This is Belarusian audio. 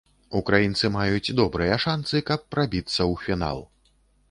Украінцы маюць добрыя шанцы, каб прабіцца ў фінал.